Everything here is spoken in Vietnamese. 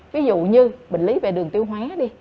ví dụ như bệnh lý về đường tiêu hóa đi